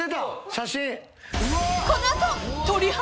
写真。